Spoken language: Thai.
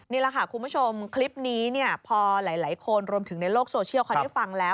นี่แหละค่ะคุณผู้ชมคลิปนี้เนี่ยพอหลายคนรวมถึงในโลกโซเชียลเขาได้ฟังแล้ว